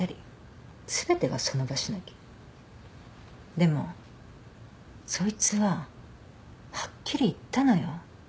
でもそいつははっきり言ったのよ。